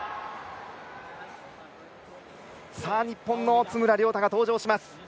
日本の津村涼太が登場します。